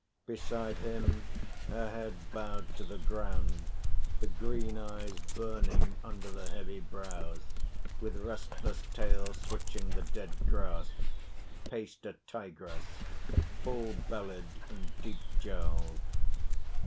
Beside him, her head bowed to the ground, the green eyes burning under the heavy brows, with restless tail switching the dead grass, paced a Tigress, full bellied and deep jowled.